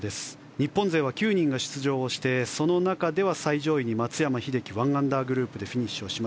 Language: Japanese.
日本勢は９人が出場してその中では最上位に松山英樹が１アンダーグループでフィニッシュ。